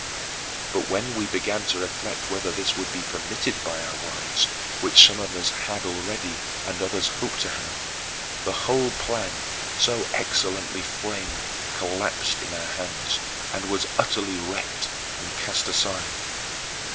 But when we began to reflect whether this would be permitted by our wives, which some of us had already and others hoped to have, the whole plan, so excellently framed, collapsed in our hands and was utterly wrecked and cast aside.